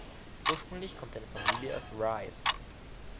Ursprünglich kommt seine Familie aus Rize.